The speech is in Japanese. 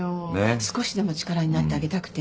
少しでも力になってあげたくて。